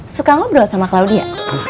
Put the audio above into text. suka ngobrol sama claudia